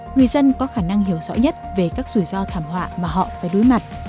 người dân có khả năng hiểu rõ nhất về các rủi ro thảm họa mà họ phải đối mặt